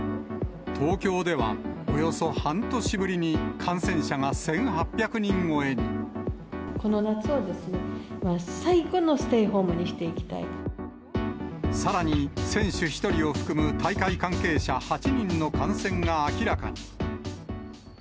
東京ではおよそ半年ぶりに、この夏を最後のステイホームさらに、選手１人を含む大会関係者８人の感染が明らかに。